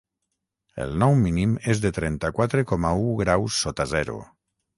El nou mínim és de trenta-quatre coma u graus sota zero.